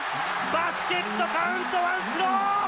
バスケットカウントワンスロー！